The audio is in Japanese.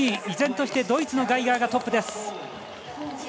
依然としてドイツのガイガーがトップです。